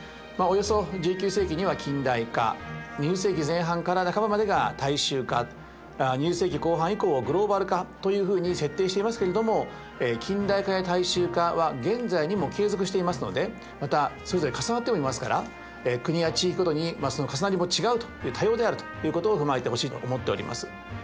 およそ１９世紀には近代化２０世紀前半から半ばまでが大衆化２０世紀後半以降をグローバル化というふうに設定していますけれども近代化や大衆化は現在にも継続していますのでまたそれぞれ重なってもいますから国や地域ごとにその重なりも違うと多様であるということを踏まえてほしいと思っております。